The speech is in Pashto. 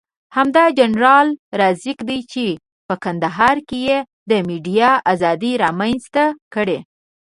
همدا جنرال رازق دی چې په کندهار کې یې د ميډيا ازادي رامنځته کړې.